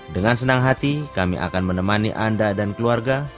dengan senang hati kami akan menemani anda dan keluarga